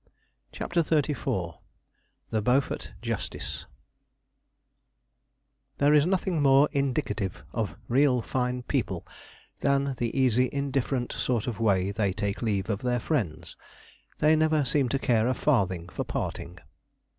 B.' CHAPTER XXXIV THE BEAUFORT JUSTICE There is nothing more indicative of real fine people than the easy indifferent sort of way they take leave of their friends. They never seem to care a farthing for parting.